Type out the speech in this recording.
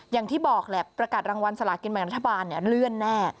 อย่างที่บอกแหละประกาศรางวัลสลากินแบ่งรัฐบาลเลื่อนแน่